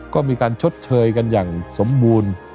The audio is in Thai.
ก็มีการชดเชยกันอย่างสมบูรณ์